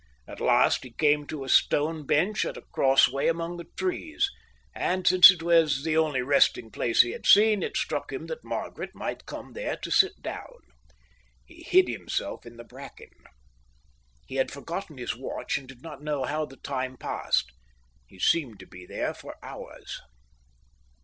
At last he came to a stone bench at a cross way among the trees, and, since it was the only resting place he had seen, it struck him that Margaret might come there to sit down. He hid himself in the bracken. He had forgotten his watch and did not know how the time passed; he seemed to be there for hours.